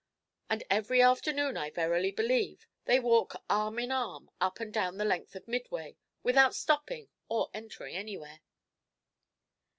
And every afternoon, I verily believe, they walk arm in arm up and down the length of Midway, without stopping or entering anywhere.'